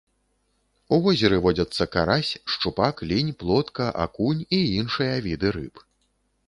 У возеры водзяцца карась, шчупак, лінь, плотка, акунь і іншыя віды рыб.